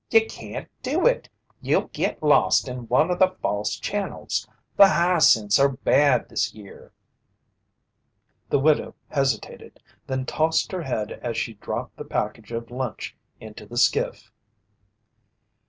Ye can't do it. You'll git lost in one o' the false channels. The hyacinths are bad this year." The widow hesitated, then tossed her head as she dropped the package of lunch into the skiff.